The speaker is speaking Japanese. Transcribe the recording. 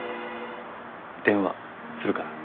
電話するから。